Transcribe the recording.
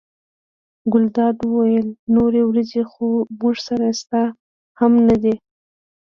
ګلداد وویل نورې وریجې خو موږ سره شته هم نه دي.